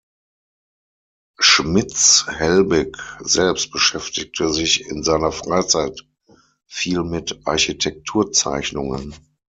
Schmitz-Helbig selbst beschäftigte sich in seiner Freizeit viel mit Architekturzeichnungen.